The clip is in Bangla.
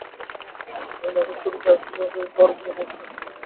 আয়নাতে, ছবিতে, আসবাবে ঘর যেন ছাতি ফুলাইয়া রহিয়াছে।